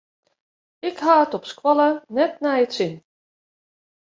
Ik ha it op skoalle net nei it sin.